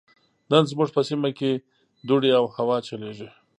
نن زموږ په سيمه کې دوړې او هوا چليږي.